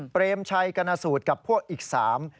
เปรมชัยกรณสูตรกับพวกอีกสาม